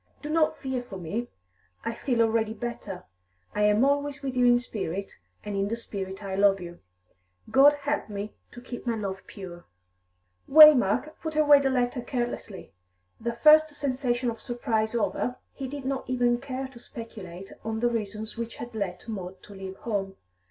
Do not fear for me; I feel already better. I am always with you in spirit, and in the spirit I love you; God help me to keep my love pure!" Waymark put away the letter carelessly; the first sensation of surprise over, he did not even care to speculate on the reasons which had led Maud to leave home.